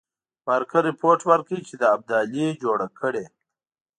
بارکر رپوټ ورکړ چې ابدالي جوړه کړې.